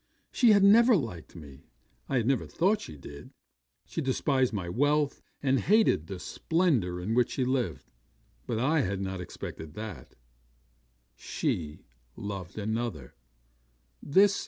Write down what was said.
She had never liked me; I had never thought she did: she despised my wealth, and hated the splendour in which she lived; but I had not expected that. She loved another.